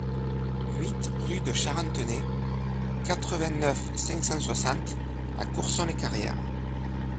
huit rue de Charentenay, quatre-vingt-neuf, cinq cent soixante à Courson-les-Carrières